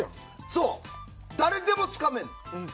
そう、誰でもつかめるの。